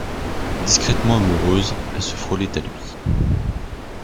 Discrètement amoureuse, elle se frôlait à lui.